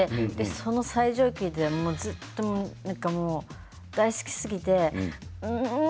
その最上級でずっと大好きすぎてうーん！